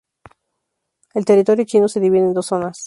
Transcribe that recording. El territorio chino se divide en dos zonas.